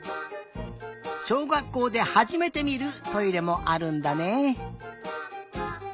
しょうがっこうではじめてみるトイレもあるんだね。